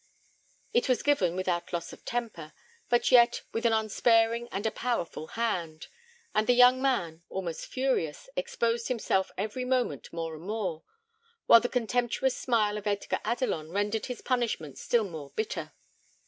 It was given without loss of temper, but yet with an unsparing and a powerful hand; and the young man, almost furious, exposed himself every moment more and more, while the contemptuous smile of Edgar Adelon rendered his punishment still more bitter.